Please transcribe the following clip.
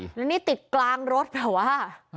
แล้วนี่ติดกลางรถเหรอวะ